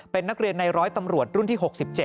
เป็นนักเรียนในร้อยตำรวจรุ่นที่๖๗